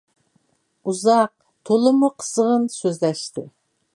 ئۇزاق، تولىمۇ قىزغىن سۆزلەشتى.